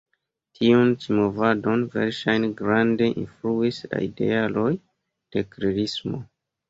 Tiun ĉi movadon verŝajne grande influis la idealoj de Klerismo.